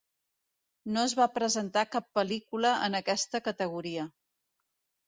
No es va presentar cap pel·lícula en aquesta categoria.